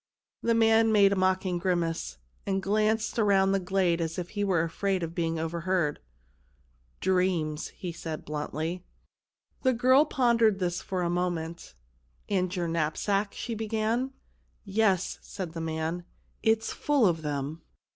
The man made a mocking grimace, and glanced around the glade as if he were afraid of being overheard. " Dreams," he said bluntly. The girl pondered this for a moment. " And your knapsack ?" she began. "Yes," said the man, " it's full of them."